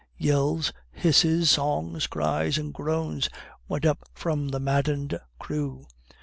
Yells, hisses, songs, cries, and groans went up from the maddened crew.